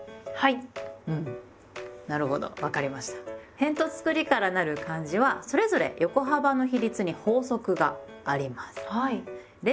へんとつくりからなる漢字はそれぞれ横幅の比率に法則があります。